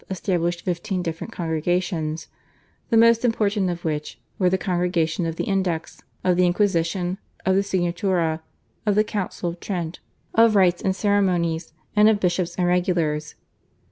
established fifteen different congregations, the most important of which were the Congregation of the Index, of the Inquisition, of the Signatura, of the Council of Trent, of Rites and Ceremonies, and of Bishops and Regulars.